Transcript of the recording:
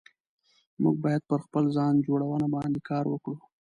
موږ بايد پر خپل ځان جوړونه باندي کار وکړو